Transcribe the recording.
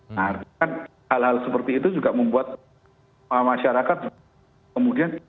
nah artinya kan hal hal seperti itu juga membuat masyarakat kemudian